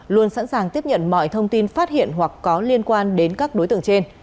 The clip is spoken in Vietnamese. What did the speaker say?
luôn sẵn sàng tiếp nhận mọi thông tin phát hiện hoặc có liên quan đến các đối tượng trên